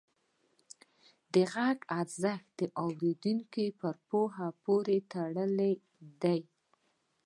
د غږ ارزښت د اورېدونکي پر پوهه پورې تړلی دی.